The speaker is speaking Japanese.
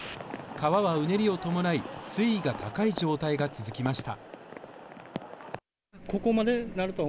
川はうねりを伴い水位が高い状態が続きました。